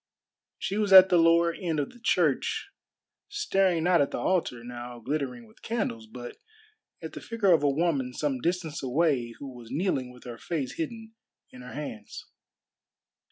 She was at the lower end of the church staring not at the altar now glittering with candles, but at the figure of a woman some distance away who was kneeling with her face hidden in her hands.